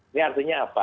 ini artinya apa